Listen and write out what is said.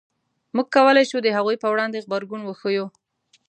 موږ کولای شو د هغوی په وړاندې غبرګون وښیو.